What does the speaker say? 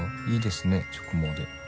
いいですね直毛で。